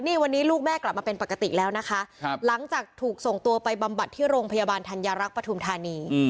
นี่วันนี้ลูกแม่กลับมาเป็นปกติแล้วนะคะหลังจากถูกส่งตัวไปบำบัดที่โรงพยาบาลธัญรักษ์ปฐุมธานี